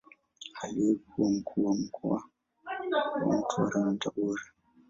Aliwahi kuwa Mkuu wa mkoa wa Mtwara na Tabora.